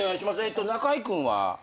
中居君は？